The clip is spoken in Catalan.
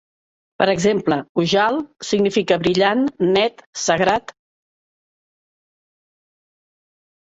Per exemple, Ujjal significa "brillant, net, sagrat".